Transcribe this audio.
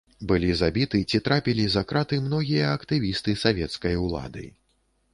Былі забіты ці трапілі за краты многія актывісты савецкай улады.